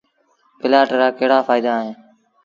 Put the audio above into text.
پلآٽ رآ ڪهڙآ ڦآئيدآ اهيݩ۔